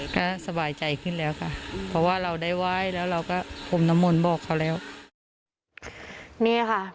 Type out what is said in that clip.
เพราะว่าเห็นเขาบอกว่าเผามาชั่วโมงกว่าเนี่ยมาชั่วโมงกว่าเนี่ยมาชั่วโมงกว่าเนี่ย